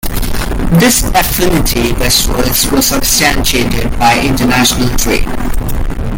This affinity westwards was substantiated by international trade.